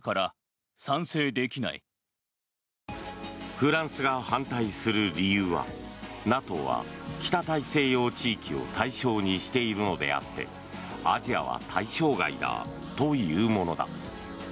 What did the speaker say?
フランスが反対する理由はＮＡＴＯは北大西洋地域を対象にしているのであってアジアは対象外だというものだ。